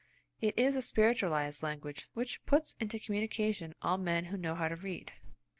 It is a spiritualised language, which puts into communication all men who know how to read.